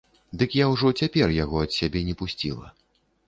Дык я ўжо цяпер яго ад сябе не пусціла.